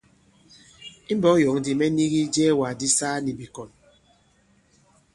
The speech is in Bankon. I mbɔ̄k yɔ̌ŋ ndī mɛ nigi ijɛɛwàk di saa nì bìkɔ̀n.